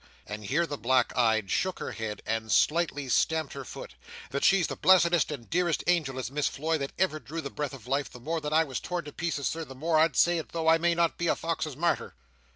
and here the black eyed shook her head, and slightly stamped her foot; "that she's the blessedest and dearest angel is Miss Floy that ever drew the breath of life, the more that I was torn to pieces Sir the more I'd say it though I may not be a Fox's Martyr."